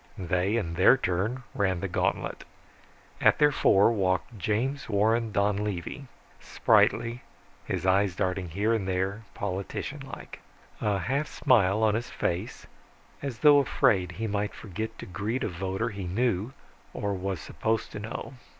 They in their turn ran the gantlet. At their fore walked James Warren Donlevy, spritely, his eyes darting here, there, politician like. A half smile on his face, as though afraid he might forget to greet a voter he knew, or was supposed to know.